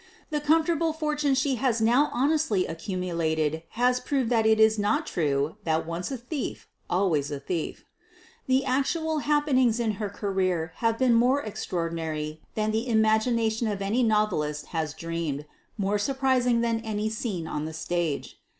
The com fortable fortune she has now honestly accumulated has proved that it is not true that "once a thief always a thief." The actual happenings in her career have been more extraordinary than the imagination of any novelist has dreamed; more surprising than any scene on the stage.